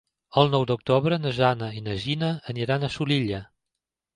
El nou d'octubre na Jana i na Gina aniran a Xulilla.